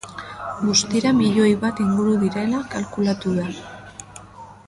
Guztira milioi bat inguru direla kalkulatu da.